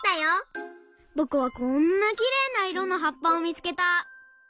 ぼくはこんなきれいないろのはっぱをみつけた！